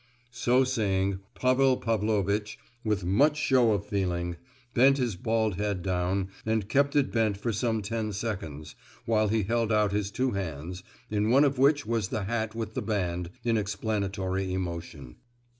So saying, Pavel Pavlovitch, with much show of feeling, bent his bald head down and kept it bent for some ten seconds, while he held out his two hands, in one of which was the hat with the band, in explanatory emotion.